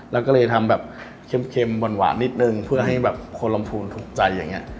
เราก็เลยทำเป็นแบบเค็มหวานนิดนึงเพื่อให้คนลำพูนถูกใจ